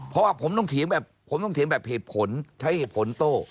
เพราะว่าผมต้องเฉียงแบบเหตุผลใช้เหตุผลโต้